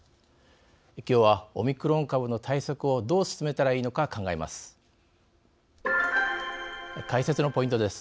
きょうは、オミクロン株の対策をどう進めたらいいのか考えます。